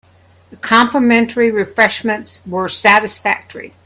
The complimentary refreshments were satisfactory.